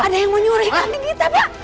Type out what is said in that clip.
ada yang mau nyuruh kami kita pak